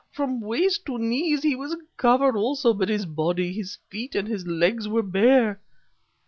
From waist to knees he was covered, also, but his body, his feet, and his legs were bare..."